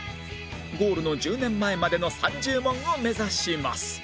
ゴールの１０年前までの３０問を目指します